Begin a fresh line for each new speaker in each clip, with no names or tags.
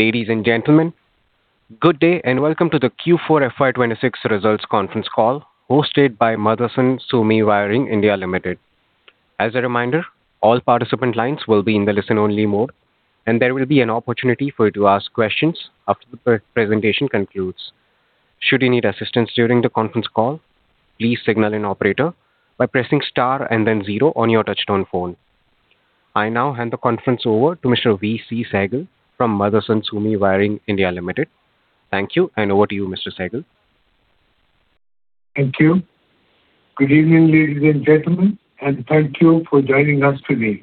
Ladies and gentlemen, good day, and welcome to the Q4 FY 2026 results conference call hosted by Motherson Sumi Wiring India Limited. As a reminder, all participant lines will be in the listen-only mode, and there will be an opportunity for you to ask questions after the presentation concludes. Should you need assistance during the conference call, please signal an operator by pressing star and then zero on your touch-tone phone. I now hand the conference over to Mr. VC Sehgal from Motherson Sumi Wiring India Limited. Thank you, and over to you, Mr. Sehgal.
Thank you. Good evening, ladies and gentlemen, thank you for joining us today.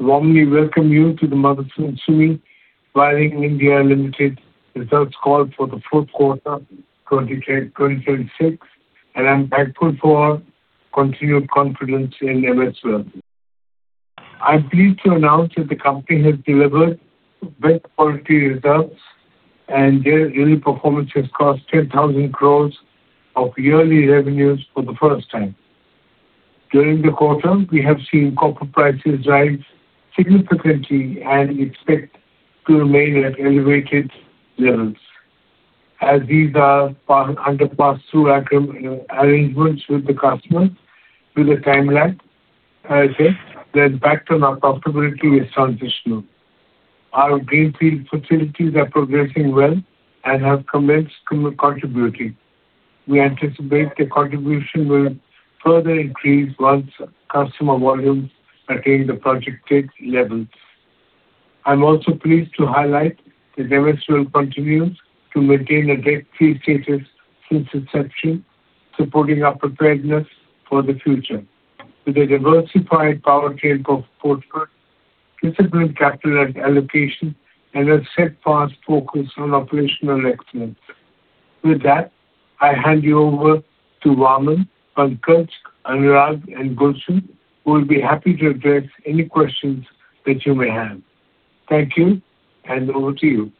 Warmly welcome you to the Motherson Sumi Wiring India Limited results call for the fourth quarter 2026. I'm thankful for our continued confidence in MSWIL. I'm pleased to announce that the company has delivered best quality results. Their yearly performance has crossed 10,000 crores of yearly revenues for the first time. During the quarter, we have seen copper prices rise significantly and expect to remain at elevated levels. As these are under pass-through arrangements with the customer with a timeline said, the impact on our profitability is transitional. Our greenfield facilities are progressing well. Have commenced co-contributing. We anticipate the contribution will further increase once customer volumes attain the projected levels. I'm also pleased to highlight that MSWIL continues to maintain a debt-free status since inception, supporting our preparedness for the future, with a diversified powertrain pro-portfolio, disciplined capital allocation, and a steadfast focus on operational excellence. With that, I hand you over to Vaman, Pankaj, Anurag and Gulshan, who will be happy to address any questions that you may have. Thank you, hand over to you.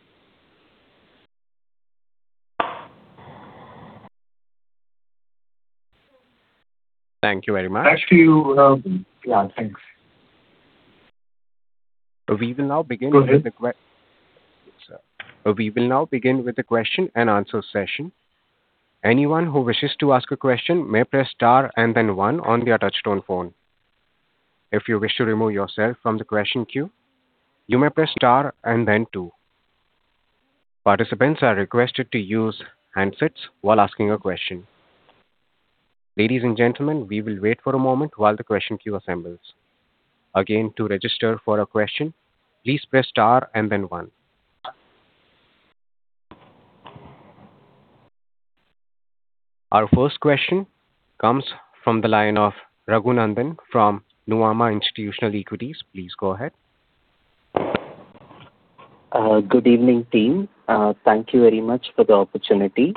Thank you very much.
Back to you,
yeah. Thanks.
We will now begin with the que-
Go ahead.
Sir. We will now begin with the question and answer session. Our first question comes from the line of Raghu Nandan from Nuvama Institutional Equities. Please go ahead.
Good evening, team. Thank you very much for the opportunity.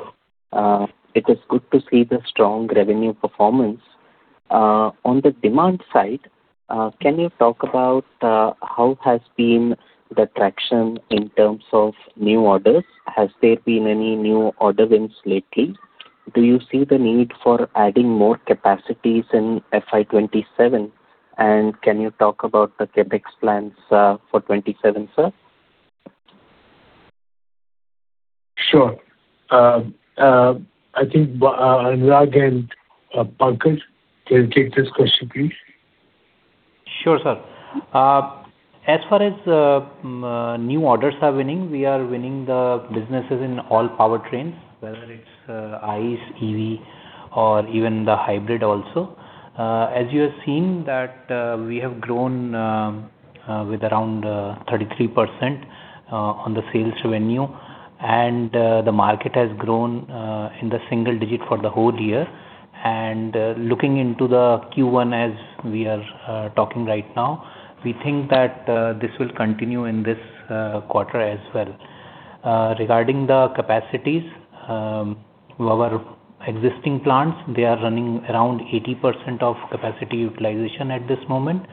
It is good to see the strong revenue performance. On the demand side, can you talk about how has been the traction in terms of new orders? Has there been any new order wins lately? Do you see the need for adding more capacities in FY 2027? Can you talk about the CapEx plans for 2027, sir?
Sure. I think Anurag and Pankaj can take this question, please.
Sure, sir. As far as new orders are winning, we are winning the businesses in all powertrains, whether it's ICE, EV or even the hybrid also. As you have seen that we have grown with around 33% on the sales revenue and the market has grown in the single digit for the whole year. Looking into the Q1 as we are talking right now, we think that this will continue in this quarter as well. Regarding the capacities, our existing plants, they are running around 80% of capacity utilization at this moment,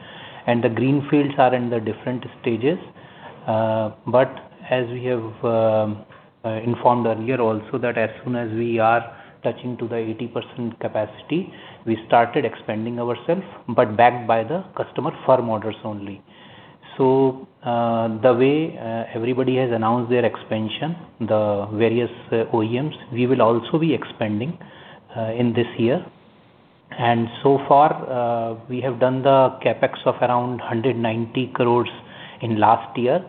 and the greenfields are in the different stages. As we have informed earlier also that as soon as we are touching to the 80% capacity, we started expanding ourself, but backed by the customer firm orders only. The way everybody has announced their expansion, the various OEMs, we will also be expanding in this year. So far, we have done the CapEx of around 190 crores in last year.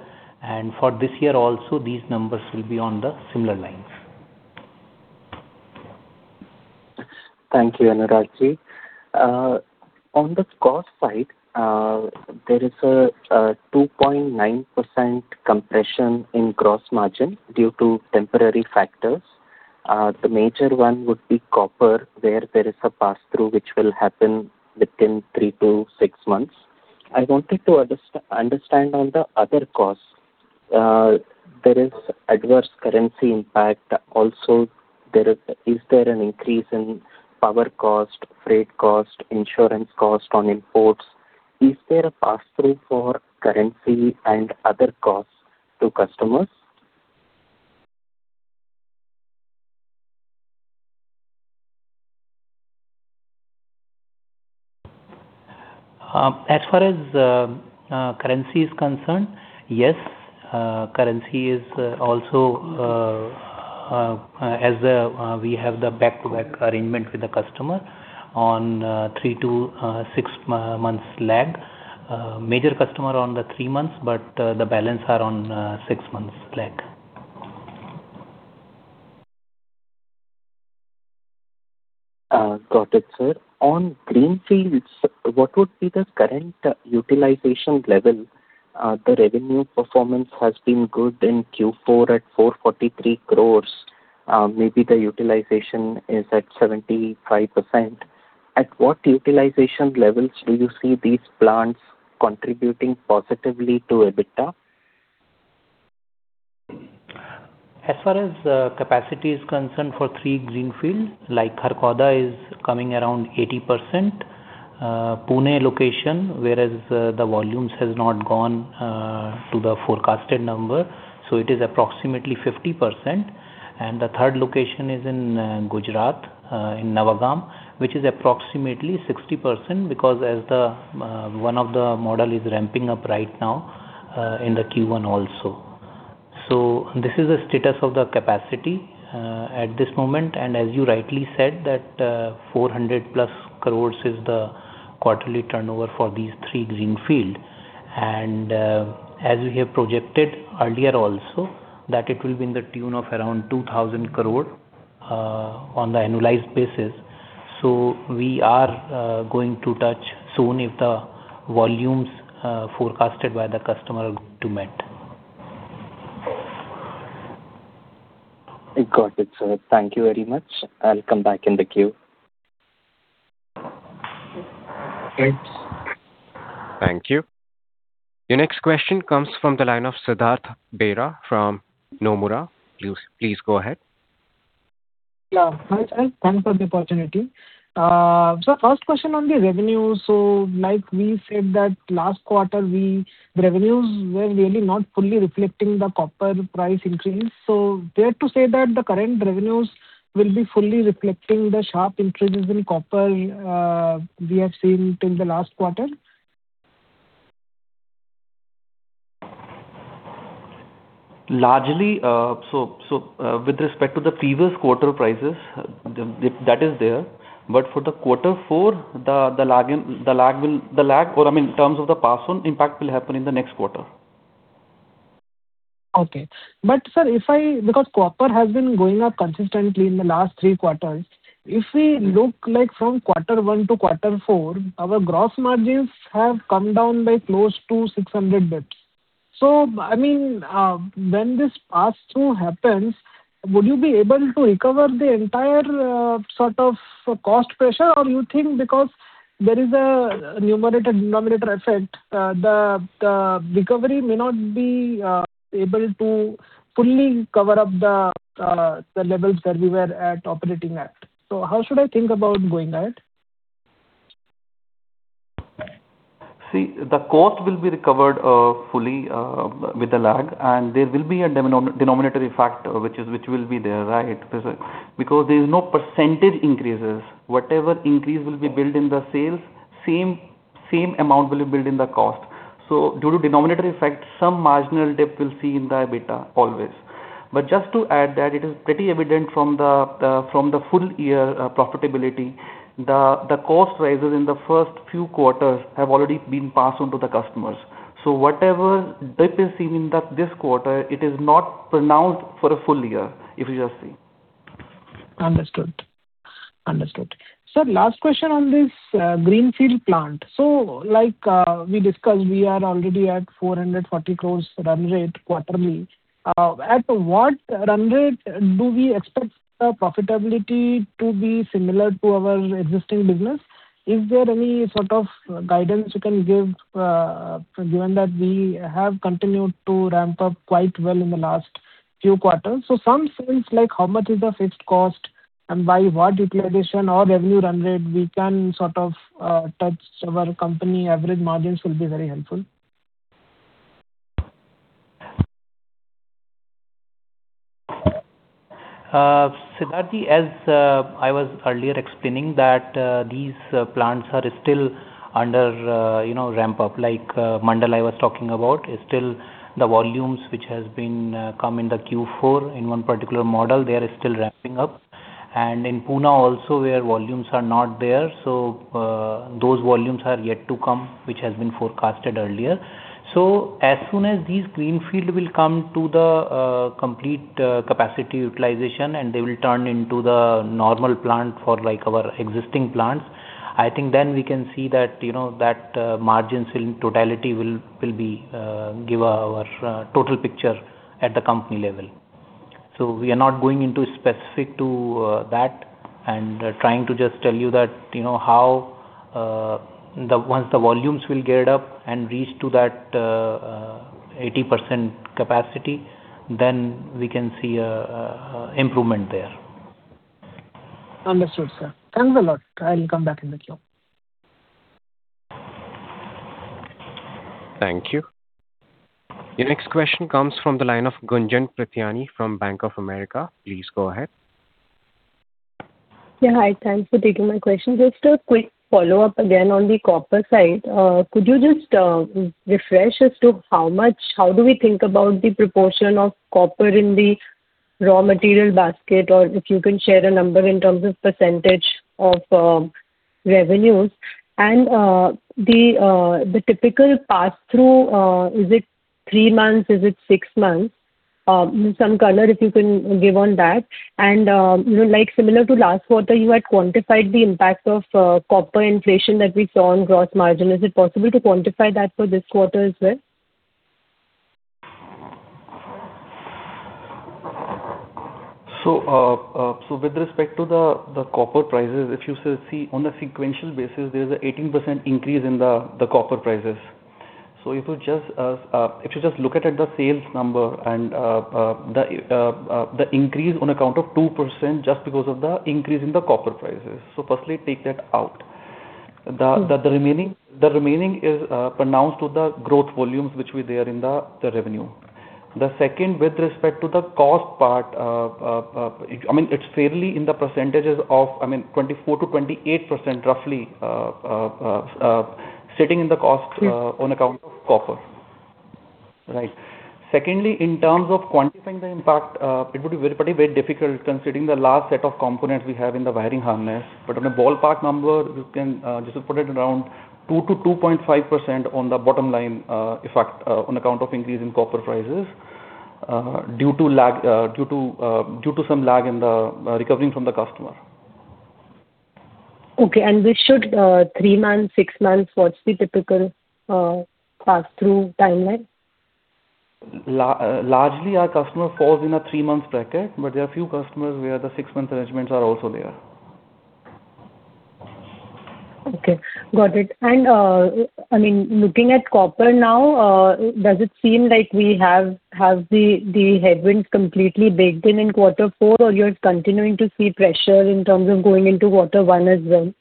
For this year also, these numbers will be on the similar lines.
Thank you, Anurag. On the cost side, there is a 2.9% compression in gross margin due to temporary factors. The major one would be copper, where there is a pass-through which will happen within three to six months. I wanted to understand on the other costs. There is adverse currency impact also. Is there an increase in power cost, freight cost, insurance cost on imports? Is there a pass-through for currency and other costs to customers?
As far as currency is concerned, yes, currency is also as we have the back-to-back arrangement with the customer on three to six months lag. Major customer on the three months, but the balance are on six months lag.
Got it, sir. On Greenfields, what would be the current utilization level? The revenue performance has been good in Q4 at 443 crores. Maybe the utilization is at 75%. At what utilization levels do you see these plants contributing positively to EBITDA?
As far as capacity is concerned for three Greenfield, like Kharkhoda is coming around 80%. Pune location, whereas the volumes has not gone to the forecasted number, so it is approximately 50%. The third location is in Gujarat, in Navagam, which is approximately 60% because as the one of the model is ramping up right now, in the Q1 also. This is the status of the capacity at this moment. As you rightly said that, 400+ crores is the quarterly turnover for these three greenfield. As we have projected earlier also, that it will be in the tune of around 2,000 crore on the annualized basis. We are going to touch soon if the volumes forecasted by the customer are to met.
Got it, sir. Thank you very much. I'll come back in the queue.
Thank you. Your next question comes from the line of Siddhartha Bera from Nomura. Please go ahead.
Yeah. Hi, sir. Thanks for the opportunity. First question on the revenue. Like we said that last quarter, the revenues were really not fully reflecting the copper price increase. Dare to say that the current revenues will be fully reflecting the sharp increase in copper we have seen in the last quarter.
Largely, with respect to the previous quarter prices, that is there. For the quarter four, the lag or, I mean, in terms of the pass on impact will happen in the next quarter.
Okay. sir, because copper has been going up consistently in the last three quarters, if we look like from quarter one to quarter four, our gross margins have come down by close to 600 basis points. I mean, when this pass-through happens, would you be able to recover the entire sort of cost pressure? Or you think because there is a numerator and denominator effect, the recovery may not be able to fully cover up the levels that we were at operating at. How should I think about going ahead?
See, the cost will be recovered fully with the lag, and there will be a denominatory factor which will be there, right? Because there is no percentage increases. Whatever increase will be built in the sales, same amount will be built in the cost. Due to denominatory effect, some marginal dip we'll see in the EBITDA always. Just to add that it is pretty evident from the from the full year profitability, the cost rises in the first few quarters have already been passed on to the customers. Whatever dip is seen in this quarter, it is not pronounced for a full year, if you just see.
Understood. Understood. Sir, last question on this greenfield plant. Like, we discussed, we are already at 440 crores run-rate quarterly. At what run-rate do we expect the profitability to be similar to our existing business? Is there any sort of guidance you can give, given that we have continued to ramp-up quite well in the last few quarters? Some sense like how much is the fixed cost and by what utilization or revenue run-rate we can sort of, touch our company average margins will be very helpful.
Siddharth, as I was earlier explaining that these plants are still under ramp-up. Like [Mandla and I] was talking about is still the volumes which has been come in the Q4 in one particular model, they are still ramping up. In Pune also, where volumes are not there. Those volumes are yet to come, which has been forecasted earlier. As soon as these greenfield will come to the complete capacity utilization and they will turn into the normal plant for our existing plants, I think then we can see that margins in totality will be give our total picture at the company level. We are not going into specific to that and trying to just tell you that, you know, how the, once the volumes will get up and reach to that, 80% capacity, then we can see a improvement there.
Understood, sir. Thanks a lot. I'll come back in the queue.
Thank you. Your next question comes from the line of Gunjan Prithyani from Bank of America. Please go ahead.
Yeah, hi. Thanks for taking my question. Just a quick follow-up again on the copper side. Could you just refresh as to how much, how do we think about the proportion of copper in the raw material basket? Or if you can share a number in terms of percentage of revenues. The typical pass-through, is it three months? Is it six months? Some color if you can give on that. You know, like similar to last quarter, you had quantified the impact of copper inflation that we saw in gross margin. Is it possible to quantify that for this quarter as well?
With respect to the copper prices, if you see, on a sequential basis, there's an 18% increase in the copper prices. If you just look at it, the sales number and the increase on account of 2% just because of the increase in the copper prices. Firstly take that out. The remaining is pronounced with the growth volumes which were there in the revenue. The second, with respect to the cost part, I mean, it's fairly in the percentages of, I mean, 24%-28% roughly, sitting in the cost on account of copper. Right. Secondly, in terms of quantifying the impact, it would be very difficult considering the large set of components we have in the wiring harness. On a ballpark number, you can just put it around 2% to 2.5% on the bottom line effect on account of increase in copper prices due to lag, due to some lag in the recovering from the customer.
Okay. This should, three months, six months, what's the typical, pass-through timeline?
Largely our customer falls in a three-month bracket, but there are few customers where the six-month arrangements are also there.
Okay. Got it. I mean, looking at copper now, does it seem like we have the headwinds completely baked in in quarter four, or you're continuing to see pressure in terms of going into quarter one as well?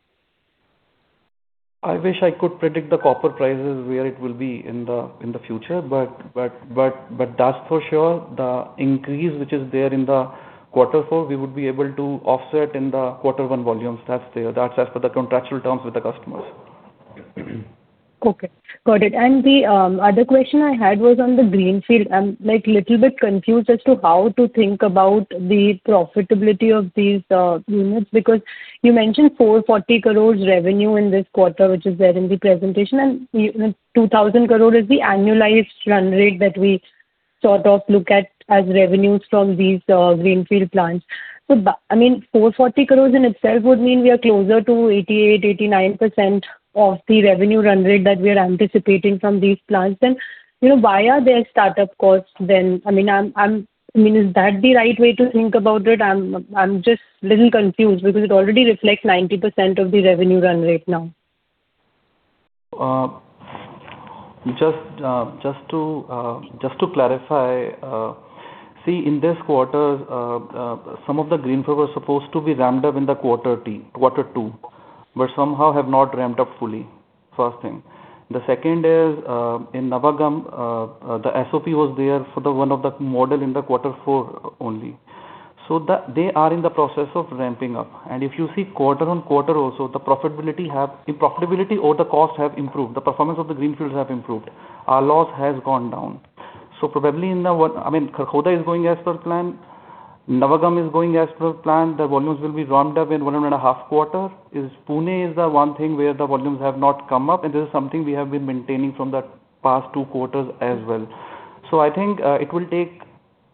I wish I could predict the copper prices, where it will be in the, in the future, but that's for sure. The increase which is there in the quarter four, we would be able to offset in the quarter one volumes. That's the, that's as per the contractual terms with the customers.
Okay. Got it. The other question I had was on the Greenfield. I'm, like, little bit confused as to how to think about the profitability of these units, because you mentioned 440 crores revenue in this quarter, which is there in the presentation, and 2,000 crore is the annualized run-rate that we sort of look at as revenues from these Greenfield plants. I mean, 440 crores in itself would mean we are closer to 88%-89% of the revenue run-rate that we are anticipating from these plants. You know, why are there startup costs then? I mean, I'm I mean, is that the right way to think about it? I'm just little confused because it already reflects 90% of the revenue run-rate now.
Just, just to, just to clarify, see, in this quarter, some of the Greenfield was supposed to be ramped-up in the quarter two, but somehow have not ramped-up fully. First thing. The second is, in Navagam, the SOP was there for the one of the model in the quarter four only. They are in the process of ramping up. If you see quarter on quarter also, the profitability or the costs have improved. The performance of the Greenfields have improved. Our loss has gone down. Probably in Kharkhoda is going as per plan. Navagam is going as per plan. The volumes will be ramped-up in one and a half quarter. Pune is the one thing where the volumes have not come up, and this is something we have been maintaining from the past two quarters as well. I think, it will take,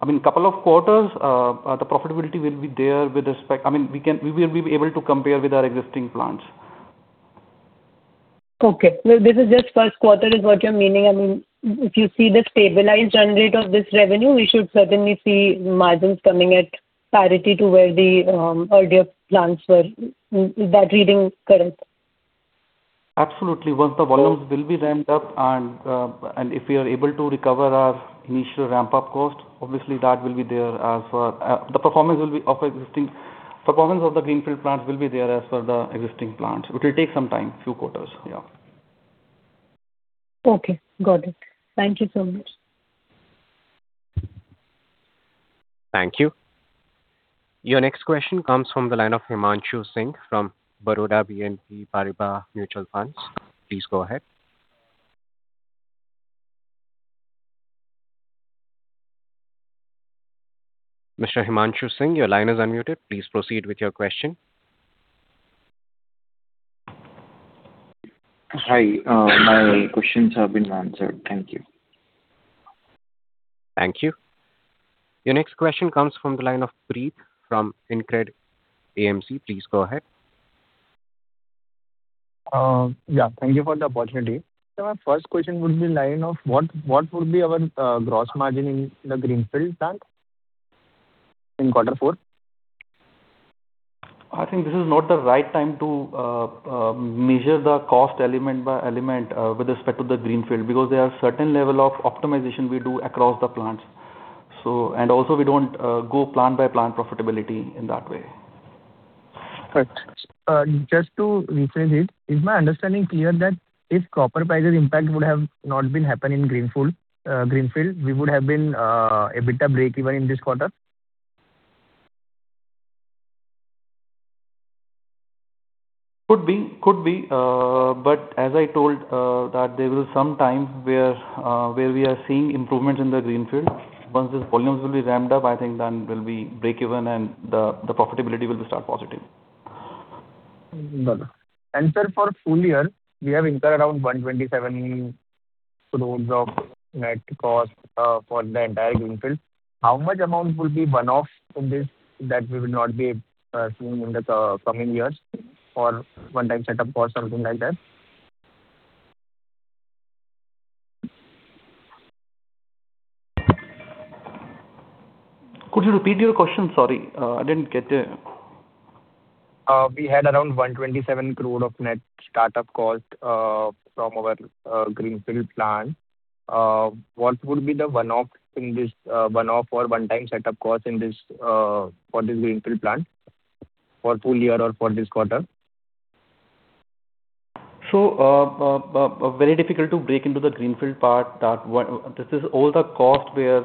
I mean, couple of quarters, the profitability will be there. I mean, we can, we will be able to compare with our existing plants.
Okay. This is just first quarter is what you're meaning. I mean, if you see the stabilized run-rate of this revenue, we should certainly see margins coming at parity to where the earlier plants were. Is that reading correct?
Absolutely. Once the volumes will be ramped-up and if we are able to recover our initial ramp-up costs, obviously Performance of the greenfield plants will be there as per the existing plant. It will take some time, few quarters. Yeah.
Okay. Got it. Thank you so much.
Thank you. Your next question comes from the line of Himanshu Singh from Baroda BNP Paribas Mutual Fund. Please go ahead. Mr. Himanshu Singh, your line is unmuted. Please proceed with your question.
Hi. My questions have been answered. Thank you.
Thank you. Your next question comes from the line of Preet from InCred AMC. Please go ahead.
Yeah. Thank you for the opportunity. My first question would be what would be our gross margin in the Greenfield plant in quarter four?
I think this is not the right time to measure the cost element by element with respect to the Greenfield, because there are certain level of optimization we do across the plants. We don't go plant by plant profitability in that way.
Right. Just to rephrase it, is my understanding clear that if copper prices impact would have not been happen in Greenfield, we would have been EBITDA breakeven in this quarter?
Could be. As I told, that there is some time where we are seeing improvements in the Greenfield. Once these volumes will be ramped-up, I think then we'll be breakeven and the profitability will start positive.
Mm. Got it. Sir, for full year, we have incurred around 127 crores of net cost for the entire Greenfield. How much amount will be one-off in this that we will not be seeing in the coming years for one-time setup cost, something like that?
Could you repeat your question? Sorry. I didn't get it.
We had around 127 crore of net start-up cost from our Greenfield plant. What would be the one-off in this, one-off or one-time setup cost in this, for this Greenfield plant for full year or for this quarter?
Very difficult to break into the Greenfield part. This is all the cost where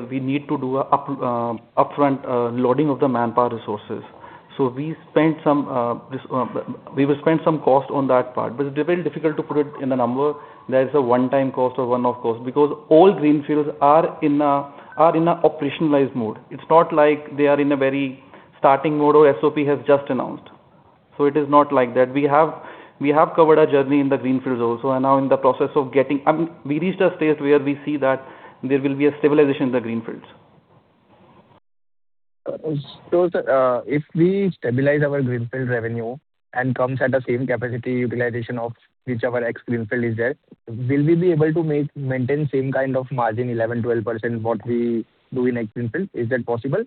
we need to do an upfront loading of the manpower resources. We spent some, this, we will spend some cost on that part, but it's very difficult to put it in a number that is a one-time cost or one-off cost because all Greenfields are in an operationalized mode. It's not like they are in a very starting mode or SOP has just announced. It is not like that. We have covered our journey in the Greenfields also and now in the process of getting. We reached a stage where we see that there will be a stabilization in the Greenfields.
Sir, if we stabilize our Greenfield revenue and comes at the same capacity utilization of which our ex-Greenfield is there, will we be able to maintain same kind of margin 11%-12% what we do in ex-Greenfield? Is that possible?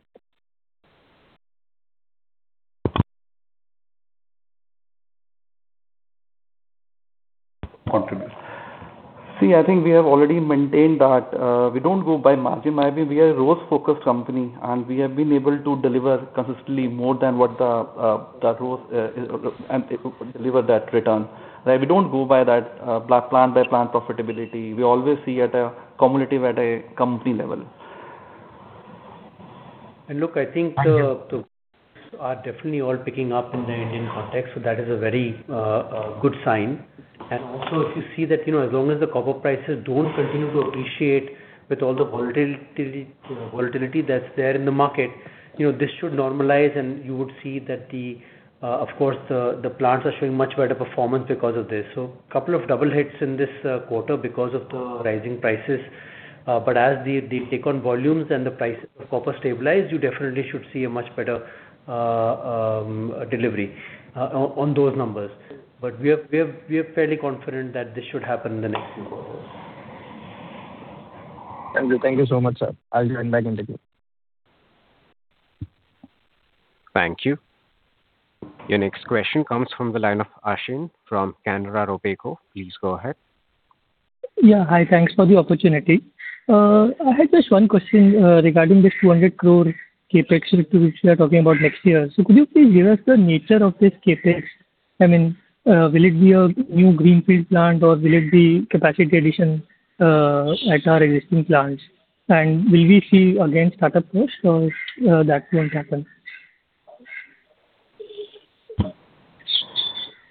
Contribute. See, I think we have already maintained that we don't go by margin. I mean, we are a growth-focused company, and we have been able to deliver consistently more than what the growth and able to deliver that return, right? We don't go by that plant by plant profitability. We always see at a cumulative, at a company level.
Look, I think the are definitely all picking up in the Indian context, so that is a very good sign. Also, if you see that, you know, as long as the copper prices don't continue to appreciate with all the volatility that's there in the market, you know, this should normalize and you would see that the, of course the plants are showing much better performance because of this. Couple of double hits in this quarter because of the rising prices. As the take on volumes and the price of copper stabilize, you definitely should see a much better delivery on those numbers. We are fairly confident that this should happen in the next few quarters.
Thank you. Thank you so much, sir. I'll join back in the queue.
Thank you. Your next question comes from the line of Ashim from Canara Robeco. Please go ahead.
Yeah. Hi. Thanks for the opportunity. I had just one question regarding this 200 crore rupees CapEx which we are talking about next year. Could you please give us the nature of this CapEx? I mean, will it be a new Greenfield plant or will it be capacity addition at our existing plants? Will we see again start-up costs or that won't happen?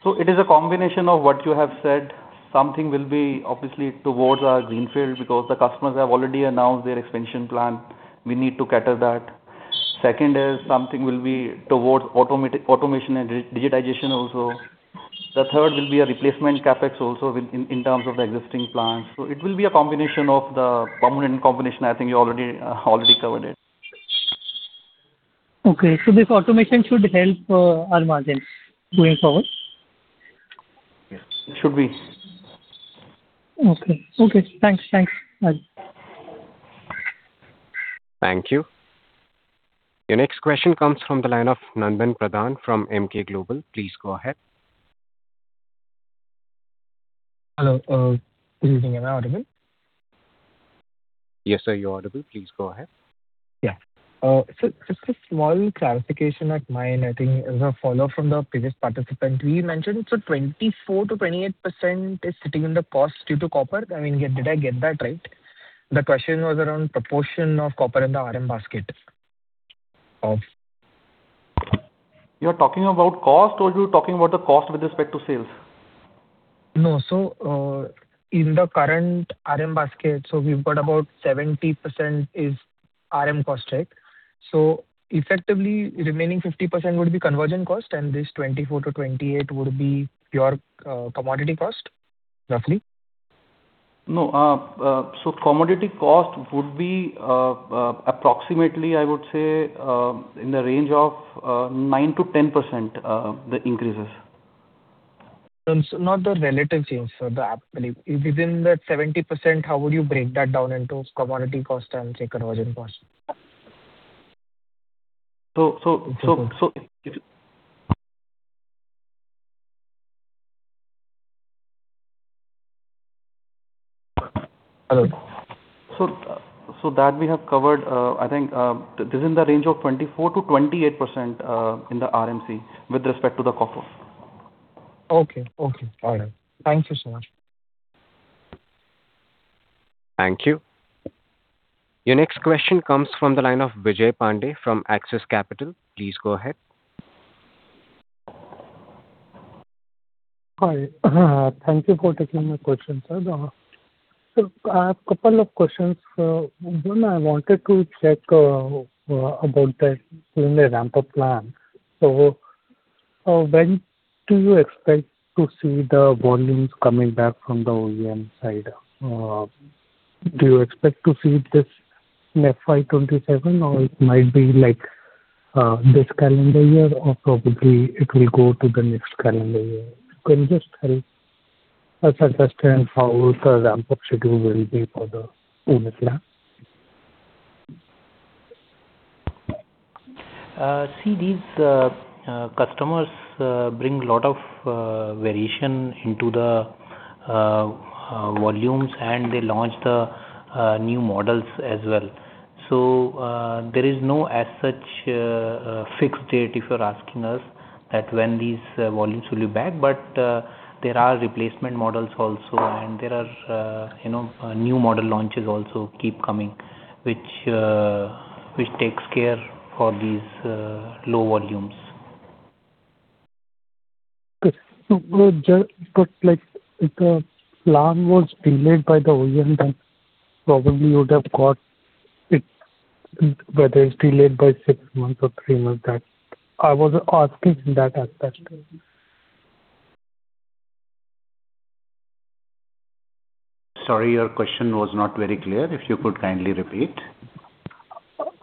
It is a combination of what you have said. Something will be obviously towards our Greenfield because the customers have already announced their expansion plan. We need to cater that. Second is something will be towards automation and digitization also. The third will be a replacement CapEx also with, in terms of the existing plants. It will be a combination of the permanent combination. I think you already covered it.
Okay. This automation should help our margins going forward?
Yes, it should be.
Okay. Okay. Thanks. Thanks. Bye.
Thank you. Your next question comes from the line of Nandan Pradhan from Emkay Global. Please go ahead.
Hello. good evening. Am I audible?
Yes, sir. You're audible. Please go ahead.
Yeah. Just a small clarification at my end, I think as a follow-up from the previous participant. We mentioned 24%-28% is sitting in the cost due to copper. I mean, did I get that right? The question was around proportion of copper in the RM basket.
You're talking about cost or you're talking about the cost with respect to sales?
In the current RM basket, we've got about 70% is RM Cost, right? Effectively, remaining 50% would be conversion cost and this 24%-28% would be pure commodity cost roughly?
No. commodity cost would be, approximately, I would say, in the range of 9%-10%, the increases.
Not the relative change, sir, the absolute. Within that 70%, how would you break that down into commodity cost and, say, conversion cost?
Hello. so that we have covered, I think, this is in the range of 24%-28%, in the RMC with respect to the COFO.
Okay. Okay. All right. Thank you so much.
Thank you. Your next question comes from the line of Vijay Pandey from Axis Capital. Please go ahead.
Hi. Thank you for taking my question, sir. A couple of questions. One, I wanted to check about the OEM ramp-up plan. When do you expect to see the volumes coming back from the OEM side? Do you expect to see this in FY 2027 or it might be like this calendar year or probably it will go to the next calendar year? Can you just tell us, understand how the ramp-up schedule will be for the OEM plan?
See these customers bring a lot of variation into the volumes and they launch the new models as well. There is no as such fixed date if you're asking us that when these volumes will be back. There are replacement models also, and there are, you know, new model launches also keep coming, which takes care for these low volumes.
Okay. Like if a plan was delayed by the OEM, then probably you would have got it, whether it's delayed by six months or three months back. I was asking in that aspect.
Sorry, your question was not very clear. If you could kindly repeat.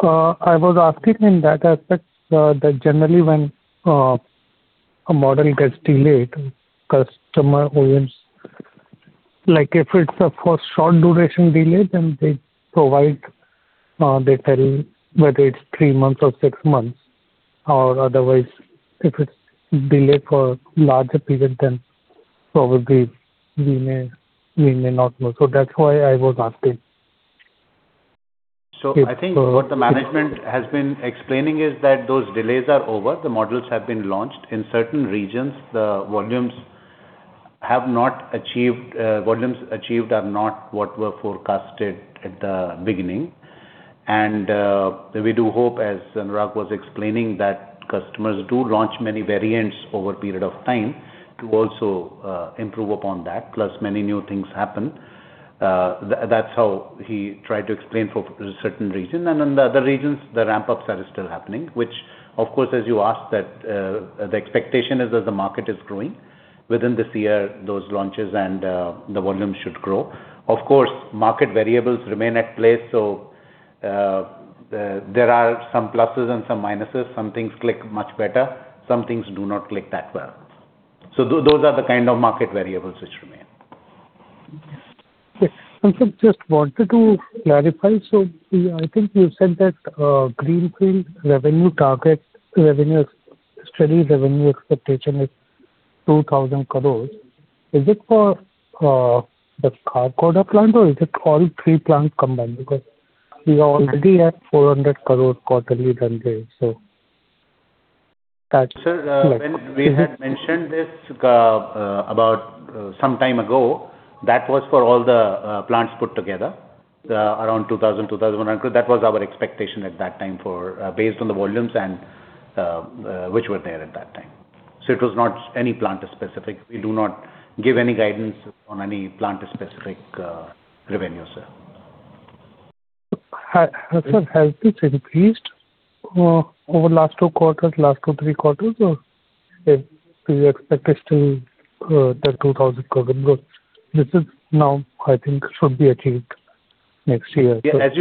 I was asking in that aspect that generally when a model gets delayed, customer OEMs. Like if it's a for short duration delay then they provide, they tell whether it's three months or six months or otherwise if it's delayed for larger period then probably we may not know. That's why I was asking.
I think what the management has been explaining is that those delays are over. The models have been launched. In certain regions, volumes achieved are not what were forecasted at the beginning. We do hope as Anurag was explaining that customers do launch many variants over a period of time to also improve upon that, plus many new things happen. That's how he tried to explain for certain region. In the other regions the ramp-ups are still happening, which of course as you asked that, the expectation is that the market is growing. Within this year those launches and the volumes should grow. Of course, market variables remain at play, there are some pluses and some minuses. Some things click much better, some things do not click that well. Those are the kind of market variables which remain.
Okay. Sir, just wanted to clarify. I think you said that, greenfield revenue target, revenue, steady revenue expectation is 2,000 crores. Is it for the Kharkhoda plant or is it all three plants combined? Because we already have 400 crores quarterly run-rate.
Sir, when we had mentioned this about some time ago, that was for all the plants put together. Around 2,000 crore- 2,100 crore. That was our expectation at that time for based on the volumes and which were there at that time. It was not any plant specific. We do not give any guidance on any plant specific revenue, sir.
Sir, has this increased over last two, three quarters, or do you expect it to, that 2,000 crore growth? This is now I think should be achieved next year.
Yeah. As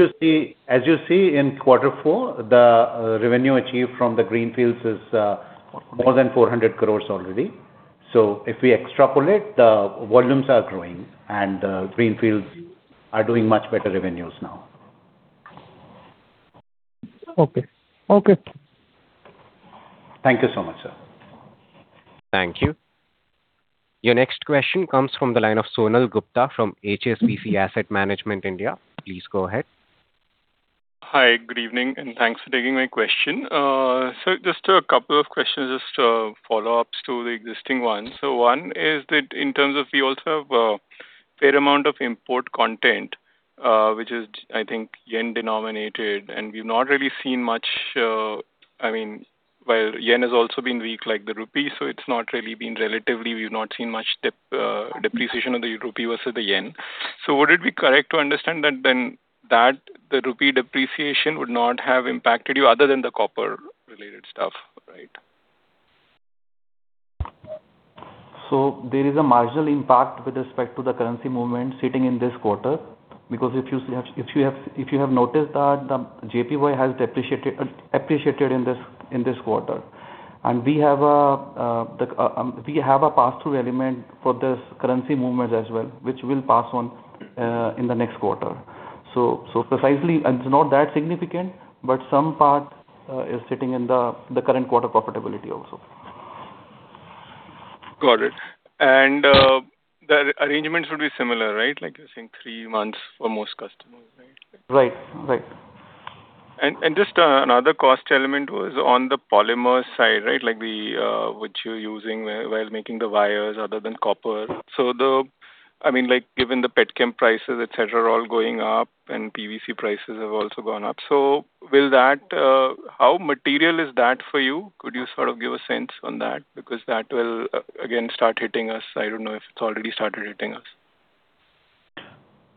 you see in quarter four the revenue achieved from the Greenfields is more than 400 crores already. If we extrapolate, the volumes are growing and the Greenfields are doing much better revenues now.
Okay. Okay.
Thank you so much, sir.
Thank you. Your next question comes from the line of Sonal Gupta from HSBC Asset Management India. Please go ahead.
Hi, good evening. Thanks for taking my question. Just a couple of questions, just follow-ups to the existing one. One is that in terms of we also have a fair amount of import content, which is I think yen-denominated and we've not really seen much, I mean while yen has also been weak like the rupee, it's not really been relatively we've not seen much depreciation of the rupee versus the yen. Would it be correct to understand that then that the rupee depreciation would not have impacted you other than the copper related stuff, right?
There is a marginal impact with respect to the currency movement sitting in this quarter because if you have noticed that the JPY has depreciated, appreciated in this, in this quarter. We have a pass-through element for this currency movement as well which will pass on in the next quarter. Precisely it's not that significant but some part is sitting in the current quarter profitability also.
Got it. The arrangements would be similar, right? Like you're saying three months for most customers, right?
Right. Right.
Just another cost element was on the polymer side, right? Like the, which you're using while making the wires other than copper. I mean, like, given the petchem prices, et cetera, are all going up and PVC prices have also gone up. How material is that for you? Could you sort of give a sense on that? Because that will again start hitting us. I don't know if it's already started hitting us.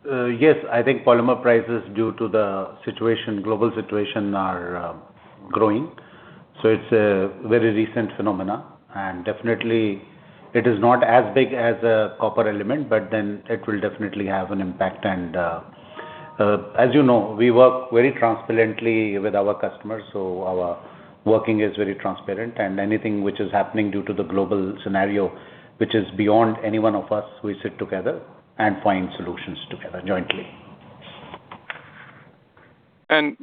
Yes. I think polymer prices, due to the situation, global situation, are growing. It's a very recent phenomena, and definitely it is not as big as a copper element, but then it will definitely have an impact. As you know, we work very transparently with our customers, so our working is very transparent. Anything which is happening due to the global scenario, which is beyond any one of us, we sit together and find solutions together jointly.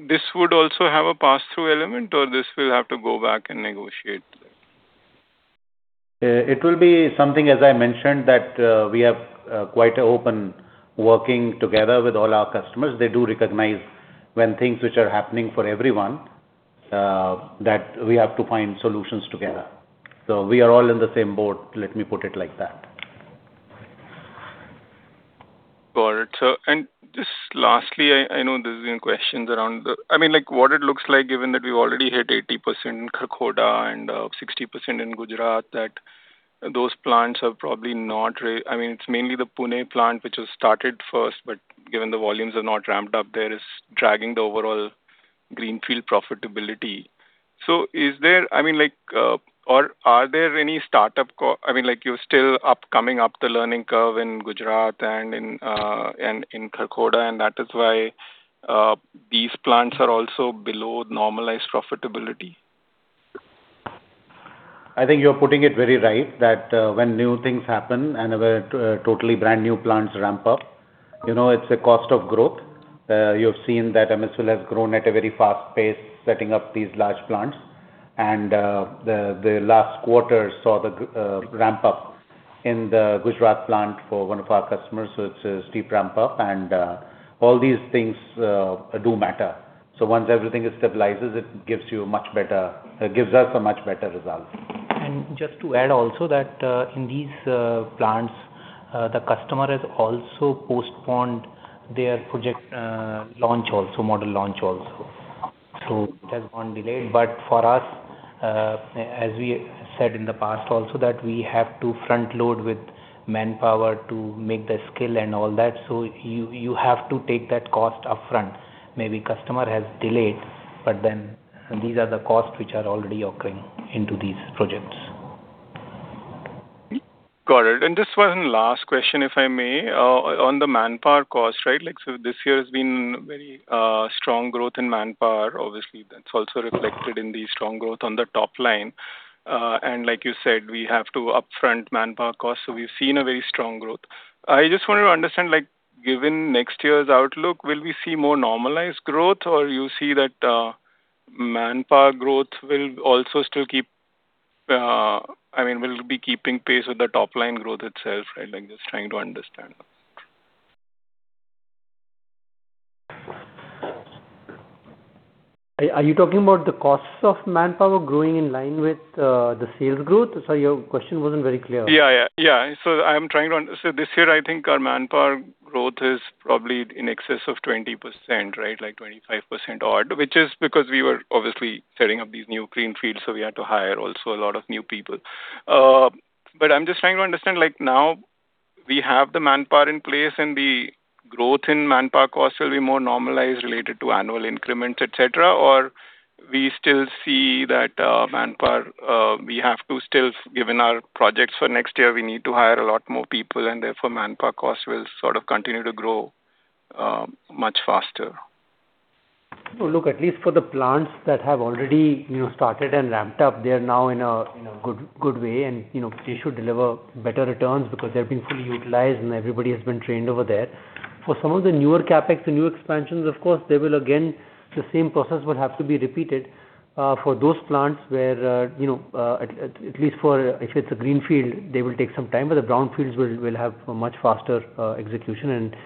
This would also have a pass-through element or this will have to go back and negotiate?
It will be something, as I mentioned, that we have quite an open working together with all our customers. They do recognize when things which are happening for everyone, that we have to find solutions together. We are all in the same boat, let me put it like that.
Got it. Just lastly, I know there's been questions around the, I mean, like, what it looks like given that we've already hit 80% Kharkhoda and 60% in Gujarat, that those plants are probably not, I mean, it's mainly the Pune plant which was started first, but given the volumes are not ramped-up there, it's dragging the overall Greenfield profitability. I mean, like, or are there any startup costs, I mean, like, coming up the learning curve in Gujarat and in Kharkhoda, and that is why these plants are also below normalized profitability?
I think you're putting it very right that when new things happen and totally brand-new plants ramp up, you know, it's a cost of growth. You've seen that MSWIL has grown at a very fast pace setting up these large plants. The last quarter saw the ramp up in the Gujarat plant for one of our customers. It's a steep ramp up, and all these things do matter. Once everything stabilizes, it gives you much better, gives us a much better result. Just to add also that, in these plants, the customer has also postponed their project launch also, model launch also. It has gone delayed. For us, as we said in the past also that we have to front load with manpower to make the skill and all that. You have to take that cost upfront. Maybe customer has delayed, but then these are the costs which are already occurring into these projects.
Got it. Just one last question, if I may. On the manpower cost, right? Like, this year has been very strong growth in manpower. Obviously, that's also reflected in the strong growth on the top line. Like you said, we have to upfront manpower costs, we've seen a very strong growth. I just wanted to understand, like, given next year's outlook, will we see more normalized growth? You see that manpower growth will also still keep, I mean, will be keeping pace with the top line growth itself, right? Like, just trying to understand.
Are you talking about the costs of manpower growing in line with the sales growth? Sorry, your question wasn't very clear.
Yeah. I'm trying to understand. This year, I think our manpower growth is probably in excess of 20%, right? Like 25% odd, which is because we were obviously setting up these new Greenfields, so we had to hire also a lot of new people. I'm just trying to understand, like now we have the manpower in place and the growth in manpower costs will be more normalized related to annual increments, et cetera. We still see that manpower, we have to still, given our projects for next year, we need to hire a lot more people and therefore manpower costs will sort of continue to grow much faster.
Look, at least for the plants that have already, you know, started and ramped-up, they are now in a good way and, you know, they should deliver better returns because they're being fully utilized and everybody has been trained over there. For some of the newer CapEx, the new expansions, of course, they will again, the same process will have to be repeated for those plants where, you know, at least for if it's a Greenfield, they will take some time, but the brownfields will have a much faster execution and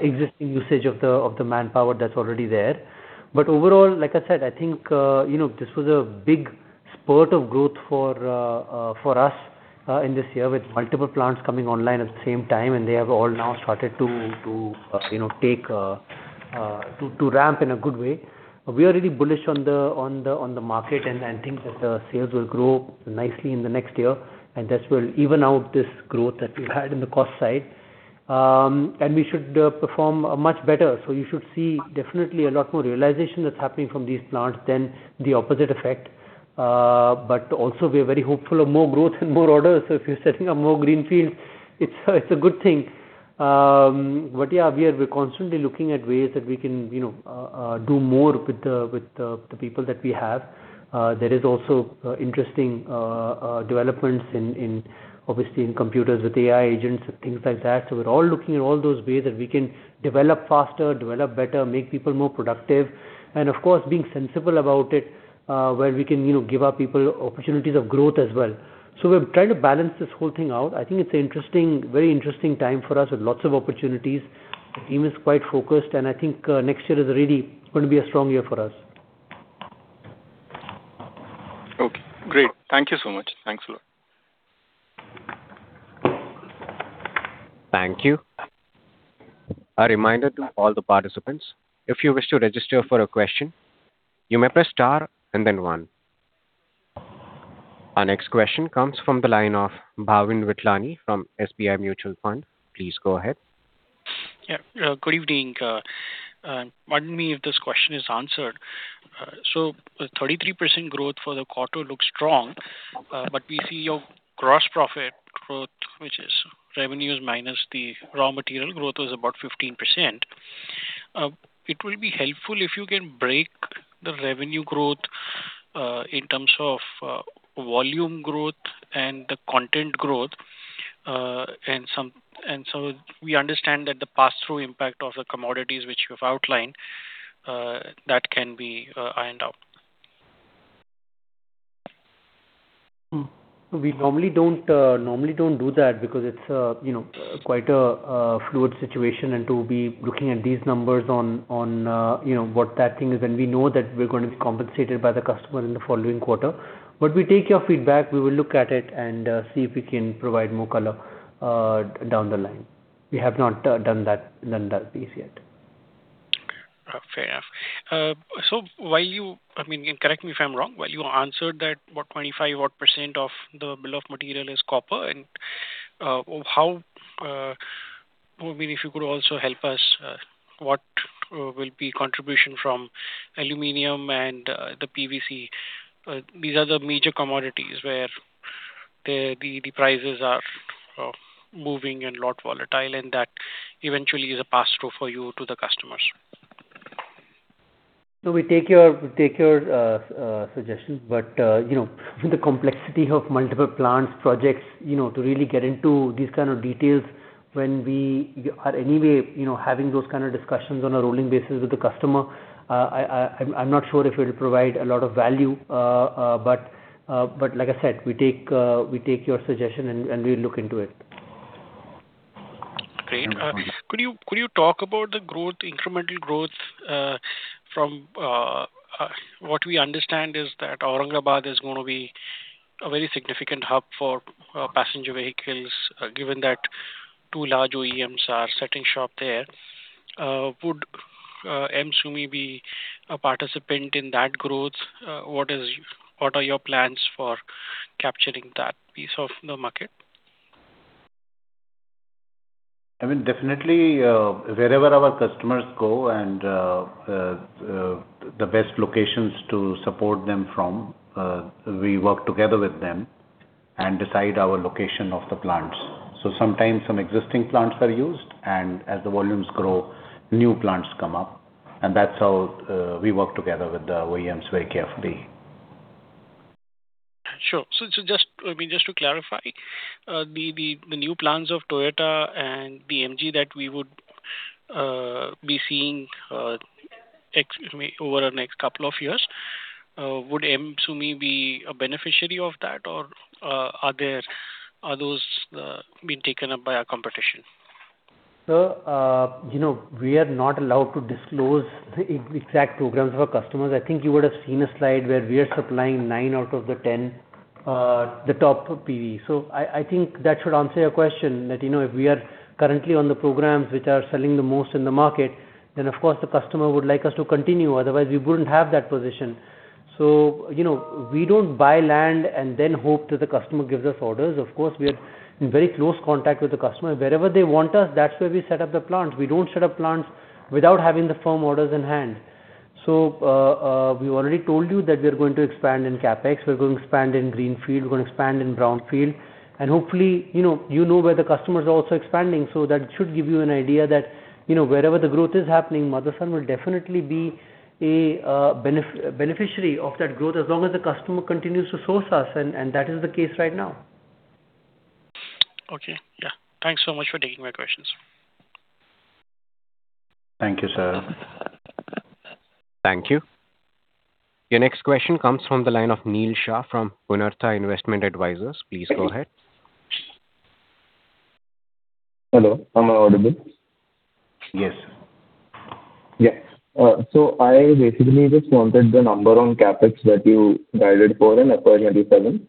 existing usage of the manpower that's already there. Overall, like I said, I think, you know, this was a big spurt of growth for us in this year with multiple plants coming online at the same time, and they have all now started to, you know, take to ramp in a good way. We are really bullish on the market and think that sales will grow nicely in the next year, and that will even out this growth that we've had in the cost side. We should perform much better. You should see definitely a lot more realization that's happening from these plants than the opposite effect. Also, we are very hopeful of more growth and more orders. If you're setting up more Greenfields, it's a good thing. Yeah, we are, we're constantly looking at ways that we can, you know, do more with the, with the people that we have. There is also interesting developments in obviously in computers with AI agents and things like that. We're all looking at all those ways that we can develop faster, develop better, make people more productive, and of course, being sensible about it, where we can, you know, give our people opportunities of growth as well. We're trying to balance this whole thing out. I think it's interesting, very interesting time for us with lots of opportunities. The team is quite focused, and I think, next year is really gonna be a strong year for us.
Okay, great. Thank you so much. Thanks a lot.
Thank you. A reminder to all the participants, if you wish to register for a question, you may press star and then one. Our next question comes from the line of Bhavin Vithlani from SBI Mutual Fund. Please go ahead.
Good evening. Pardon me if this question is answered. 33% growth for the quarter looks strong, but we see your gross profit growth, which is revenues minus the raw material, growth was about 15%. It will be helpful if you can break the revenue growth, in terms of, volume growth and the content growth. We understand that the pass-through impact of the commodities which you've outlined, that can be, ironed out.
We normally don't do that because it's, you know, quite a fluid situation, to be looking at these numbers on, you know, what that thing is, we know that we're gonna be compensated by the customer in the following quarter. We take your feedback. We will look at it and see if we can provide more color down the line. We have not done that piece yet.
Okay. Fair enough. I mean, and correct me if I'm wrong, while you answered that, 25% of the bill of material is copper and, how, I mean, if you could also help us, what will be contribution from aluminum and, the PVC. These are the major commodities where the prices are moving and lot volatile, and that eventually is a pass-through for you to the customers.
No, we take your, we take your suggestions. You know, the complexity of multiple plants, projects, you know, to really get into these kind of details when we are anyway, you know, having those kind of discussions on a rolling basis with the customer, I'm not sure if it'll provide a lot of value. Like I said, we take your suggestion and we'll look into it.
Great.
Thank you.
Could you talk about the growth, incremental growth from what we understand is that Aurangabad is going to be a very significant hub for passenger vehicles, given that two large OEMs are setting shop there. Would MSumi be a participant in that growth? What are your plans for capturing that piece of the market?
I mean, definitely, wherever our customers go and, the best locations to support them from, we work together with them and decide our location of the plants. Sometimes some existing plants are used, and as the volumes grow, new plants come up. That's how we work together with the OEMs very carefully.
Sure. Just, I mean, just to clarify, the new plans of Toyota and the MG that we would be seeing, excuse me, over the next couple of years, would MSumi be a beneficiary of that or are there, are those being taken up by our competition?
Sir, you know, we are not allowed to disclose the exact programs of our customers. I think you would have seen a slide where we are supplying nine out of the 10, the top PV. I think that should answer your question that, you know, if we are currently on the programs which are selling the most in the market, then of course the customer would like us to continue, otherwise we wouldn't have that position. You know, we don't buy land and then hope that the customer gives us orders. Of course, we are in very close contact with the customer. Wherever they want us, that's where we set up the plant. We don't set up plants without having the firm orders in hand. We've already told you that we're going to expand in CapEx, we're gonna expand in greenfield, we're gonna expand in brownfield, and hopefully, you know, you know where the customers are also expanding, so that should give you an idea that, you know, wherever the growth is happening, Motherson will definitely be a beneficiary of that growth as long as the customer continues to source us, and that is the case right now.
Okay. Yeah. Thanks so much for taking my questions.
Thank you, sir.
Thank you. Your next question comes from the line of Neil Shah from Punartha Investment Advisors. Please go ahead.
Hello, am I audible?
Yes.
Yeah. I basically just wanted the number on CapEx that you guided for in FY 2027.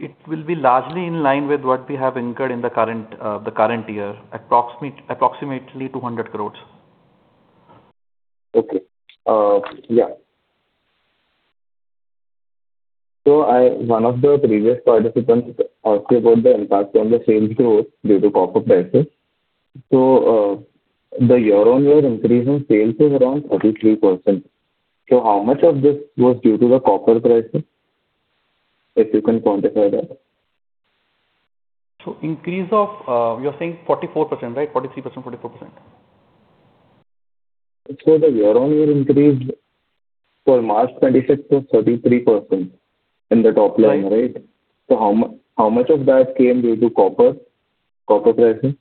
It will be largely in line with what we have incurred in the current, the current year, approximately 200 crores.
Okay. Yeah. One of the previous participants asked about the impact on the sales growth due to copper prices. The year-on-year increase in sales is around 33%. How much of this was due to the copper prices, if you can quantify that?
Increase of, you're saying 44%, right? 43%, 44%.
Sir, the year-on-year increase for March 2026 was 33% in the top line, right?
Right.
How much of that came due to copper pricing?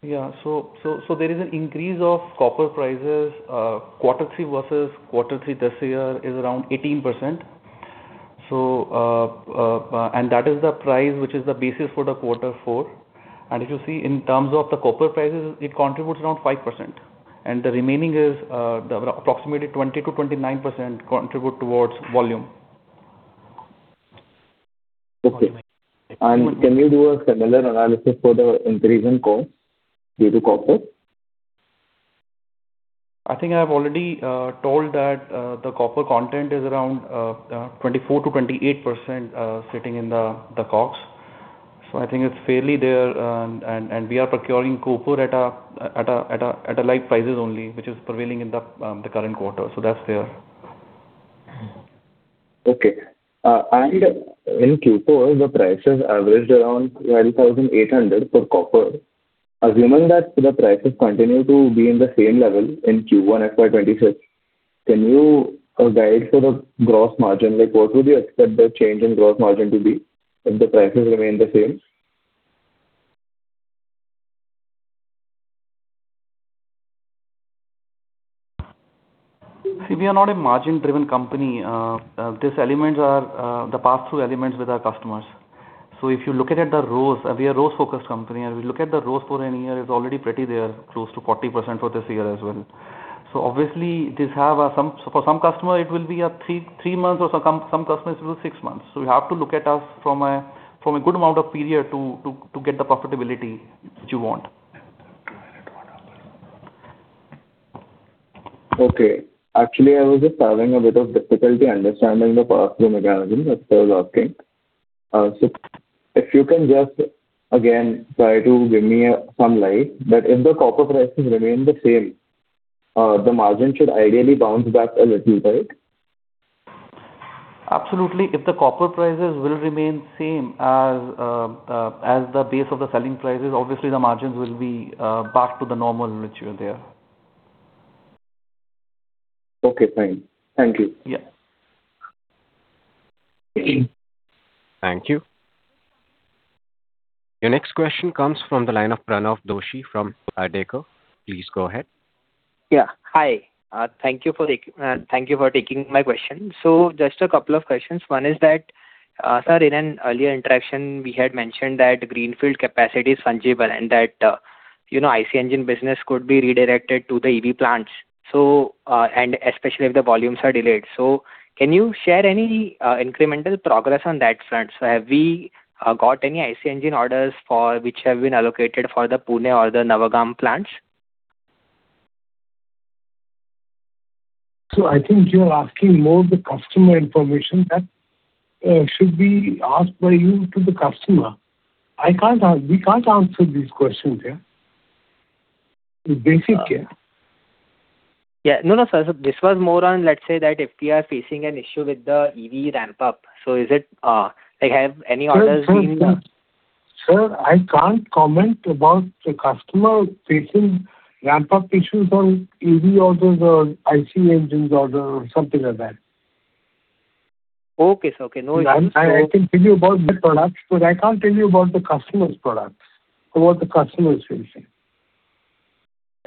Yeah. There is an increase of copper prices, quarter three versus quarter three this year is around 18%. That is the price which is the basis for the quarter four. If you see in terms of the copper prices, it contributes around 5%. The remaining is the approximately 20%-29% contribute towards volume.
Okay. Can you do a similar analysis for the increase in costs due to copper?
I think I've already told that the copper content is around 24% to 28% sitting in the costs. I think it's fairly there. We are procuring copper at a like prices only, which is prevailing in the current quarter. That's there.
Okay. In Q4 the prices averaged around 12,800 crores for copper. Assuming that the prices continue to be in the same level in Q1 FY 2026, can you guide for the gross margin? Like, what would you expect the change in gross margin to be if the prices remain the same?
We are not a margin-driven company. These elements are the pass-through elements with our customers. If you look at it, the ROCE, we are a ROCE-focused company, and we look at the ROCE for any year, it's already pretty there, close to 40% for this year as well. Obviously this have for some customer it will be a three months or some customers it will be six months. We have to look at us from a, from a good amount of period to get the profitability which you want.
Okay. Actually, I was just having a bit of difficulty understanding the pass-through mechanism. That's why I was asking. If you can just again try to give me some light, that if the copper prices remain the same, the margin should ideally bounce back a little bit.
Absolutely. If the copper prices will remain same as the base of the selling prices, obviously the margins will be back to the normal which were there.
Okay, fine. Thank you.
Yeah.
Thank you. Your next question comes from the line of Pranav Doshi from Hardeko. Please go ahead.
Hi. Thank you for taking my question. Just a couple of questions. One is that, sir, in an earlier interaction, we had mentioned that greenfield capacity is fungible and that, you know, IC engine business could be redirected to the EV plants, and especially if the volumes are delayed. Can you share any incremental progress on that front? Have we got any IC engine orders for which have been allocated for the Pune or the Navagam plants?
I think you're asking more of the customer information that should be asked by you to the customer. We can't answer these questions here. It's basic, yeah.
Yeah. No, no, sir. This was more on, let's say that if we are facing an issue with the EV ramp up, so is it, like have any orders been-
Sir, I can't comment about the customer facing ramp-up issues on EV orders or IC engines order or something like that.
Okay, sir. Okay. No issues.
I can tell you about my products, but I can't tell you about the customer's products or what the customer is facing.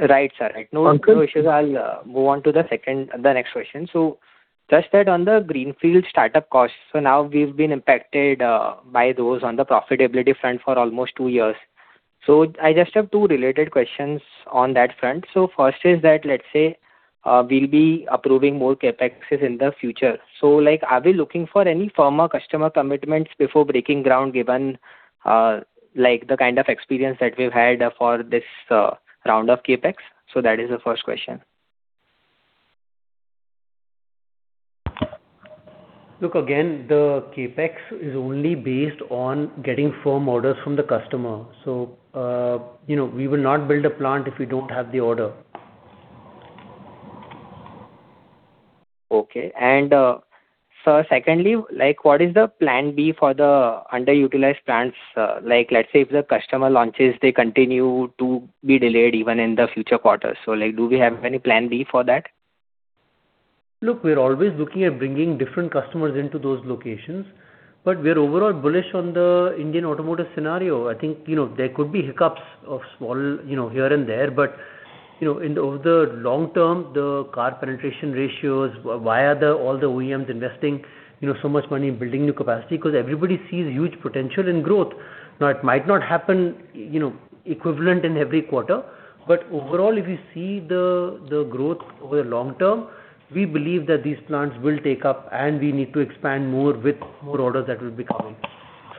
Right, sir. Right.
[am i clear?]
No, no issues. I'll move on to the next question. Just that on the Greenfield startup costs, now we've been impacted by those on the profitability front for almost two years. I just have two related questions on that front. First is that, let's say, we'll be approving more CapExes in the future. Like, are we looking for any firmer customer commitments before breaking ground, given like the kind of experience that we've had for this round of CapEx? That is the first question.
Again, the CapEx is only based on getting firm orders from the customer. You know, we will not build a plant if we don't have the order.
Okay. sir, secondly, like, what is the plan B for the underutilized plants? like, let's say if the customer launches, they continue to be delayed even in the future quarters. like, do we have any plan B for that?
Look, we're always looking at bringing different customers into those locations, but we're overall bullish on the Indian automotive scenario. I think, you know, there could be hiccups of small, you know, here and there, but, you know, in the, over the long term, the car penetration ratios, why are the, all the OEMs investing, you know, so much money in building new capacity? Because everybody sees huge potential in growth. Now, it might not happen, you know, equivalent in every quarter. Overall if you see the growth over the long term, we believe that these plants will take up and we need to expand more with more orders that will be coming.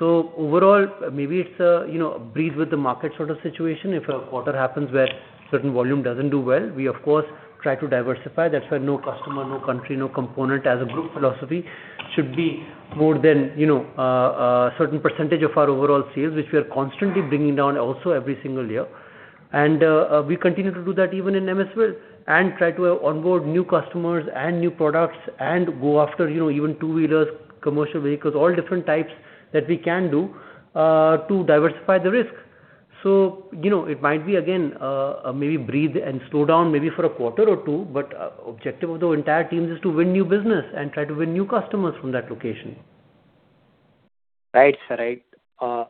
Overall, maybe it's a, you know, breathe with the market sort of situation. If a quarter happens where certain volume doesn't do well, we of course try to diversify. That's why no customer, no country, no component as a group philosophy should be more than, you know, a certain percentage of our overall sales, which we are constantly bringing down also every single year. We continue to do that even in MSWIL, and try to onboard new customers and new products and go after, you know, even two-wheelers, commercial vehicles, all different types that we can do, to diversify the risk. You know, it might be again, maybe breathe and slow down maybe for a quarter or two, but objective of the entire team is just to win new business and try to win new customers from that location.
Right, sir. Right.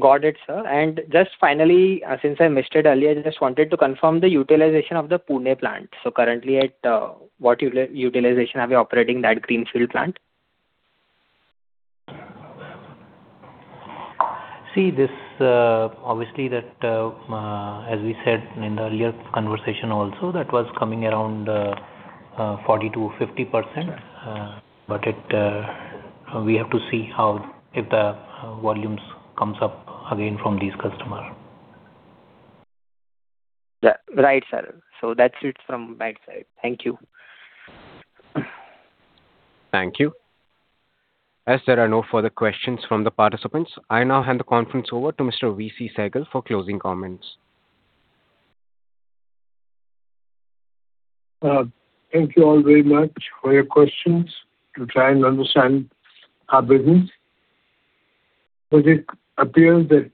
Got it, sir. Just finally, since I missed it earlier, I just wanted to confirm the utilization of the Pune plant. Currently at what utilization are we operating that greenfield plant?
See this, obviously that, as we said in the earlier conversation also, that was coming around, 40%-50%. It, we have to see how, if the volumes come up again from these customers.
Yeah. Right, sir. That's it from my side. Thank you.
Thank you. As there are no further questions from the participants, I now hand the conference over to Mr. VC Sehgal for closing comments.
Thank you all very much for your questions to try and understand our business. It appears that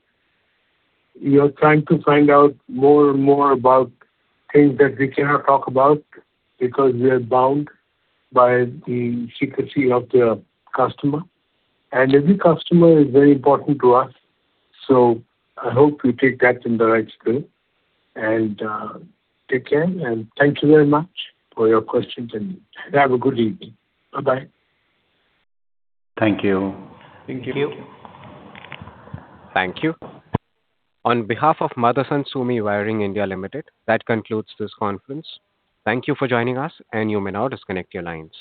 you're trying to find out more and more about things that we cannot talk about because we are bound by the secrecy of the customer. Every customer is very important to us, so I hope you take that in the right spirit. Take care, thank you very much for your questions, have a good evening. Bye-bye.
Thank you.
Thank you.
Thank you. Thank you. On behalf of Motherson Sumi Wiring India Limited, that concludes this conference. Thank you for joining us, and you may now disconnect your lines.